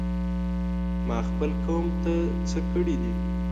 ما خپل قوم ته څه کړي دي؟!